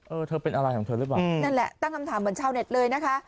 เออเธอเป็นอะไรของเธอหรือเปล่านั่นแหละตั้งคำถามเหมือนชาวเน็ตเลยนะคะ